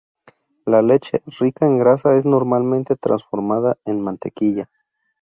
La leche, rica en grasa, es normalmente transformada en mantequilla.